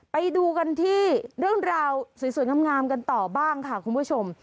ไปดูกันที่เรื่องราวสวยงามกันต่อบ้างค่ะคุณผู้ชม